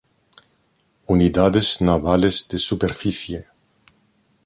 Unidades Navales de Superficieː